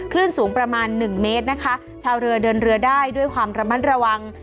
ขึ้นสูงประมาณหนึ่งเมตรนะคะชาวเรือเดินเรือได้ด้วยความระมัดระวัง